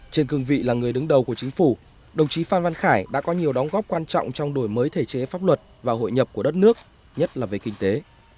trên cương vị là người đứng đầu của chính phủ đồng chí phan văn khải đã có nhiều đóng góp quan trọng trong đổi mới thể chế pháp luật và hội nhập của đất nước nhất là về kinh tế